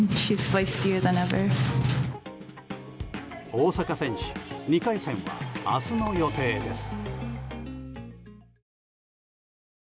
大坂選手２回戦は明日の予定です。